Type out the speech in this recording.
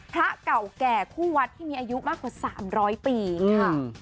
พระเก่าแก่คู่วัดที่มีอายุมากกว่า๓๐๐ปีค่ะ